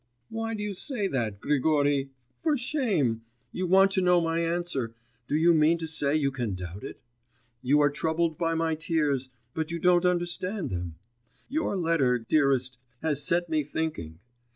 'Why do you say that, Grigory? For shame! You want to know my answer ... do you mean to say you can doubt it? You are troubled by my tears ... but you don't understand them. Your letter, dearest, has set me thinking.